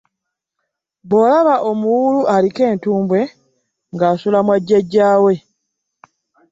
Bw’olaba omuwuulu aliko entumbwe ng’asula mwa jjajja we.